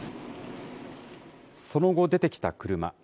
その後、出てきた車。